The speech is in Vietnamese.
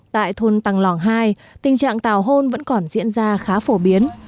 tại thôn tăng lòng hai tình trạng tào hôn vẫn còn diễn ra khá phổ biến